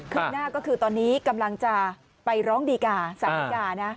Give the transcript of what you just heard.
หน้าก็คือตอนนี้กำลังจะไปร้องดีกาสารดีกานะ